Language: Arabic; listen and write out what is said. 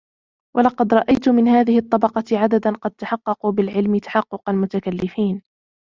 وَلَقَدْ رَأَيْت مِنْ هَذِهِ الطَّبَقَةِ عَدَدًا قَدْ تَحَقَّقُوا بِالْعِلْمِ تَحَقُّقَ الْمُتَكَلِّفِينَ